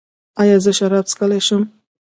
ایا زه شراب څښلی شم؟